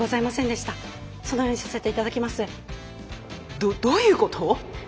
どどういうこと？